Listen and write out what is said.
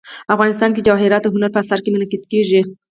افغانستان کې جواهرات د هنر په اثار کې منعکس کېږي.